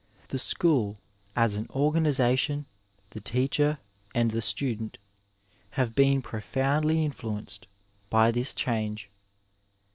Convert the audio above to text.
The school, as an organization, the teacher and the student have been profoundly influenced by this change.